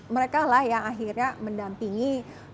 mereka lah yang akhirnya mendampingi